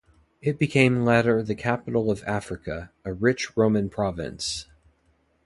It became latter the capital of Africa, a rich Roman province.